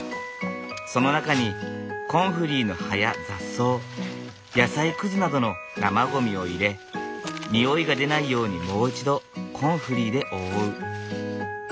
その中にコンフリーの葉や雑草野菜くずなどの生ゴミを入れ臭いが出ないようにもう一度コンフリーで覆う。